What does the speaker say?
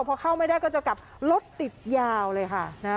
พอเข้าไม่ได้ก็จะกลับรถติดยาวเลยค่ะ